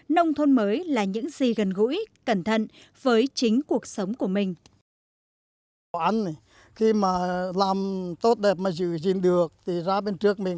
nông thôn mới là những gì gần gũi cẩn thận với chính cuộc sống của mình